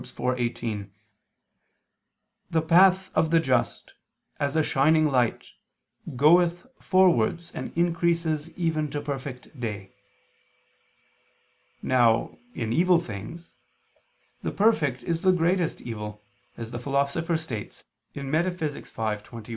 4:18: "The path of the just, as a shining light, goeth forwards and increases even to perfect day." Now, in evil things, the perfect is the greatest evil, as the Philosopher states (Metaph. v, text.